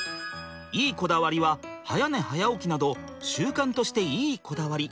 いいこだわりは早寝早起きなど習慣としていいこだわり。